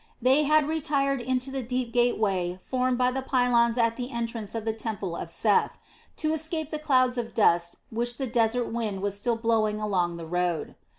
They had retired into the deep gateway formed by the pylons at the entrance of the temple of Seth, to escape the clouds of dust which the desert wind was still blowing along the road.